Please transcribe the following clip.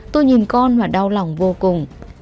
tôi nhìn con và đau lòng vô cùng